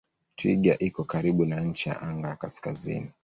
Twiga iko karibu na ncha ya anga ya kaskazini.